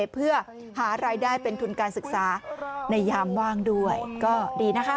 เพื่อหารายได้เป็นทุนการศึกษาในยามว่างด้วยก็ดีนะคะ